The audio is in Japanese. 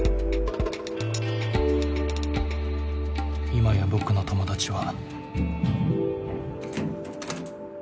今や僕の友達は。